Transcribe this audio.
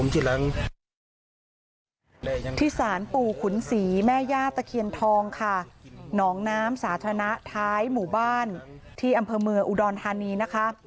ที่สารปู่ขุนศรีแม่ย่าตะเคียนทองค่ะหนองน้ำสาธารณะท้ายหมู่บ้านที่อำเภอเมืองอุดรธานีนะคะ